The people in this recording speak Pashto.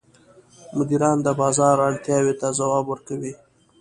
مدیران د بازار اړتیاوو ته ځواب ورکوي.